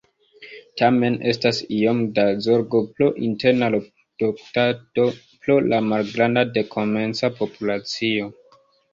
Tamen, estas iom da zorgo pro interna reproduktado pro la malgranda dekomenca populacio.